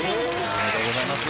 おめでとうございます。